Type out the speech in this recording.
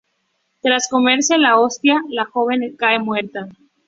Tras comerse la hostia la joven cae muerta.